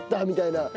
みたいな。